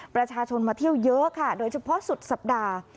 ประชาชนมาเที่ยวเยอะค่ะโดยเฉพาะสุดสัปดาห์